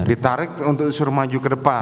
ditarik untuk suruh maju ke depan